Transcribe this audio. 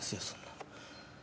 そんなの。